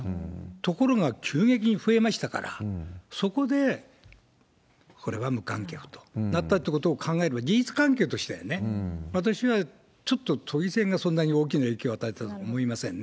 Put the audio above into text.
ところが急激に増えましたから、そこでこれは無観客となったということを考えれば、事実関係としては私はちょっと、都議選がそんなに大きな影響を与えたとは思いませんね。